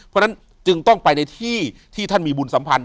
เพราะฉะนั้นจึงต้องไปในที่ที่ท่านมีบุญสัมพันธ